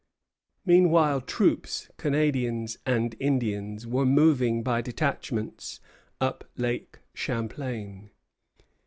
Meanwhile troops, Canadians and Indians, were moving by detachments up Lake Champlain.